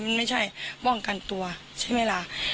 ไม่ใช่ฝ่องกันตัวใช่ไหมลา